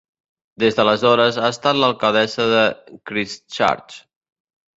Des d'aleshores ha estat l'alcaldessa de Christchurch.